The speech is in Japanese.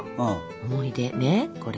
思い出ねこれ。